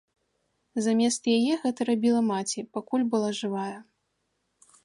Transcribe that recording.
Замест яе гэта рабіла маці, пакуль была жывая.